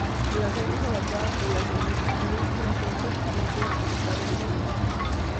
La serie es adaptada por la guionista Luz Croxatto y dirigida por Ricardo Vicuña.